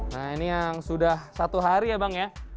nah ini yang sudah satu hari ya bang ya